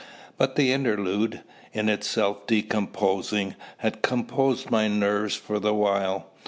But the interlude, in itself discomposing, had composed my nerves for the while.